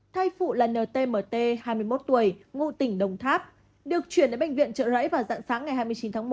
thai phụ là ntmt hai mươi một tuổi ngụ tỉnh đồng tháp được chuyển đến bệnh viện trợ rẫy vào dạng sáng ngày hai mươi chín tháng một